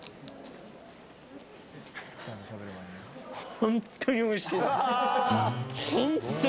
本当においしい。